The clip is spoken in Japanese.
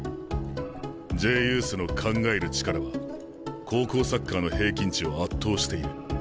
Ｊユースの「考える力」は高校サッカーの平均値を圧倒している。